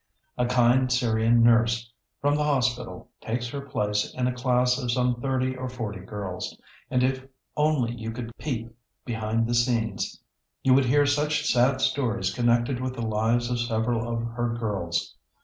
A kind Syrian nurse from the Hospital takes her place in a class of some thirty or forty girls, and, if only you could peep behind the scenes, you would hear such sad stories connected with the lives of several of her girls.